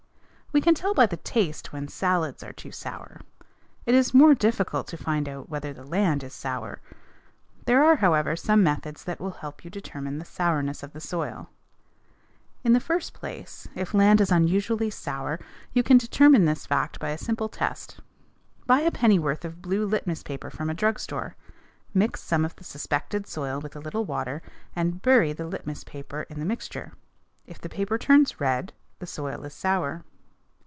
We can tell by the taste when salads are too sour; it is more difficult to find out whether land is sour. There are, however, some methods that will help to determine the sourness of the soil. In the first place, if land is unusually sour, you can determine this fact by a simple test. Buy a pennyworth of blue litmus paper from a drug store. Mix some of the suspected soil with a little water and bury the litmus paper in the mixture. If the paper turns red the soil is sour.